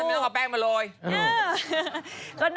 กล้าอะไร